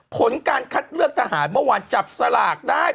ผลการคัดเลือกทหารเมื่อวานจับสลากได้